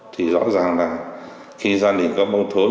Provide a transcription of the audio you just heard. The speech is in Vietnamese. thì rõ ràng là khi gia đình có bông thốn